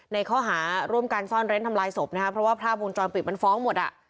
ในข้อหาร่วมการซ่อนเร้นทำลายศพนะครับเพราะว่าภาพวงจรปิดมันฟ้องหมดอ่ะ